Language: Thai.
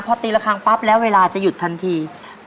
พอตีละครั้งปั๊บแล้วเวลาจะหยุดทันที